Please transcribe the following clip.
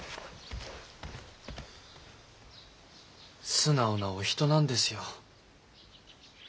素直なお人なんですよ。